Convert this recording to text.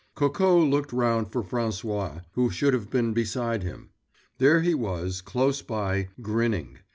Coco looked round for François, who should have been beside him. There he was, close by, grinning.